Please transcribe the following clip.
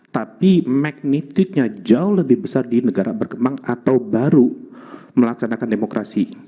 tapi magnitude nya jauh lebih besar di negara berkembang atau baru melaksanakan demokrasi